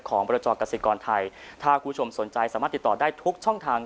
บรจสิกรไทยถ้าคุณผู้ชมสนใจสามารถติดต่อได้ทุกช่องทาง